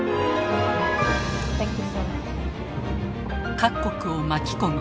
各国を巻き込み